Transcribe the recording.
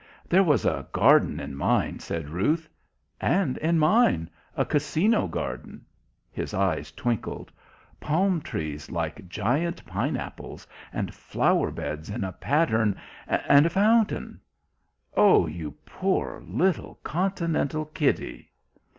"There was a garden in mine," said Ruth. "And in mine a Casino garden!" His eyes twinkled. "Palm trees like giant pineapples, and flower beds in a pattern, and a fountain " "Oh, you poor little Continental kiddie!"